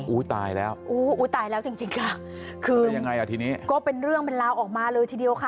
ตายแล้วอู้อุ้ยตายแล้วจริงจริงค่ะคือยังไงอ่ะทีนี้ก็เป็นเรื่องเป็นราวออกมาเลยทีเดียวค่ะ